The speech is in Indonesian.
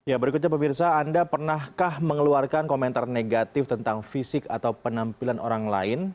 ya berikutnya pemirsa anda pernahkah mengeluarkan komentar negatif tentang fisik atau penampilan orang lain